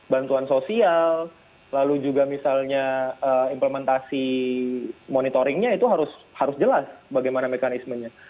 bantuan sosial lalu juga misalnya implementasi monitoringnya itu harus jelas bagaimana mekanismenya